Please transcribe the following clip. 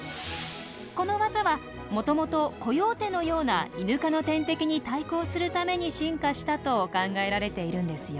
このワザはもともとコヨーテのようなイヌ科の天敵に対抗するために進化したと考えられているんですよ。